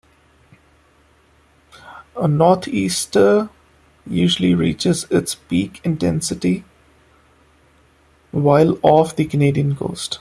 A nor'easter usually reaches its peak intensity while off the Canadian coast.